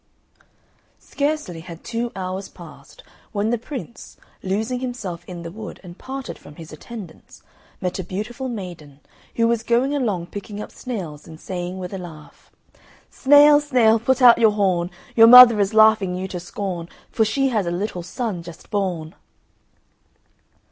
Scarcely had two hours passed when the Prince, losing himself in the wood and parted from his attendants, met a beautiful maiden, who was going along picking up snails and saying with a laugh "Snail, snail, put out your horn, Your mother is laughing you to scorn, For she has a little son just born."